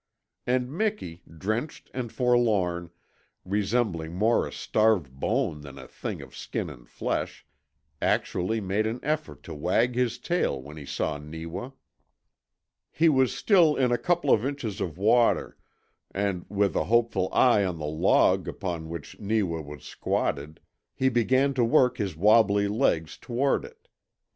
And Miki, drenched and forlorn, resembling more a starved bone than a thing of skin and flesh, actually made an effort to wag his tail when he saw Neewa. He was still in a couple of inches of water, and with a hopeful eye on the log upon which Neewa was squatted he began to work his wobbly legs toward it.